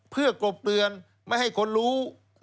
เพื่อกรบเตือนไม่ให้คนรู้